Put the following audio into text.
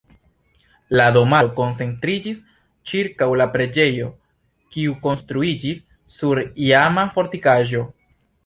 La domaro koncentriĝis ĉirkaŭ la preĝejo kiu konstruiĝis sur iama fortikaĵo.